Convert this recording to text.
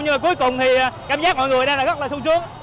nhưng mà cuối cùng thì cảm giác mọi người đang là rất là sung sướng